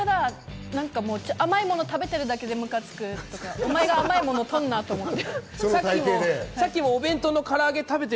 甘いものを食べてるだけでムカつくとか、お前が甘いもの取るなみたいな。